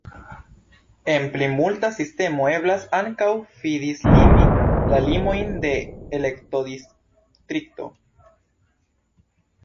En plimulta sistemo eblas ankaŭ fi-dislimi la limojn de elektodistrikto.